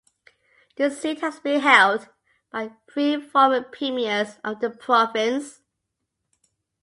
The seat has been held by three former premiers of the province.